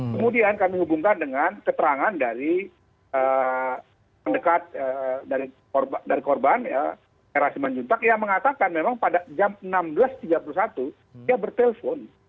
kemudian kami hubungkan dengan keterangan dari pendekat dari korban era simanjuntak yang mengatakan memang pada jam enam belas tiga puluh satu dia bertelpon